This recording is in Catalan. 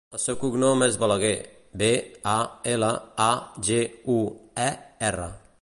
El seu cognom és Balaguer: be, a, ela, a, ge, u, e, erra.